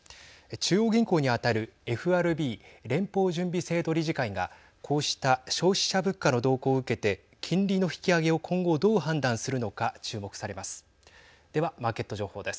中央銀行に当たるＦＲＢ＝連邦準備制度理事会がこうした消費者物価の動向を受けて金利の引き上げを今後どう判断するのか注目されます。